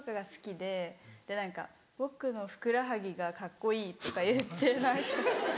で何か「僕のふくらはぎがカッコいい」とか言って何か。